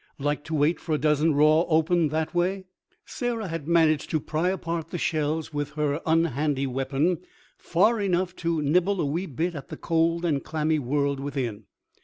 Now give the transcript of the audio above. Like to wait for a dozen raw opened that way? Sarah had managed to pry apart the shells with her unhandy weapon far enough to nibble a wee bit at the cold and clammy world within.